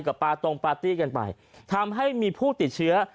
ปาตรงปาร์ตี้กันไปทำให้มีผู้ติดเชื้อ